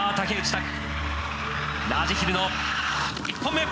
択ラージヒルの１本目。